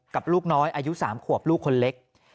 ลูกน้อยอายุ๓ขวบลูกคนเล็ก